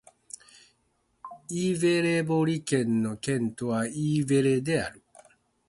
イェヴレボリ県の県都はイェーヴレである